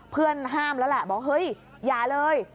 เพื่อนห้ามแล้วแหละบอกเฮ้ยอย่าเลย